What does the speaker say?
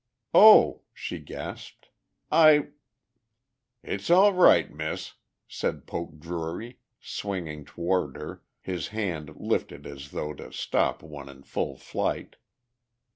"Oh!" she gasped. "I...." "It's all right, Miss," said Poke Drury, swinging toward her, his hand lifted as though to stop one in full flight.